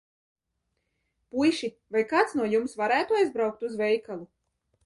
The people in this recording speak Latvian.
Puiši, vai kāds no jums varētu aizbraukt uz veikalu?